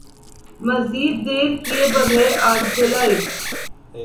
مزید دیر کئے بغیر آگ جلائی